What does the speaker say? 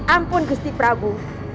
ampun gusti prabu